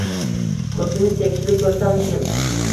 Kursini tekshirib ko`rsamikin